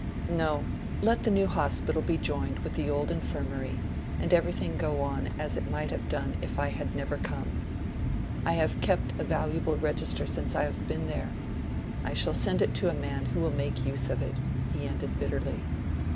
No—let the new Hospital be joined with the old Infirmary, and everything go on as it might have done if I had never come. I have kept a valuable register since I have been there; I shall send it to a man who will make use of it," he ended bitterly.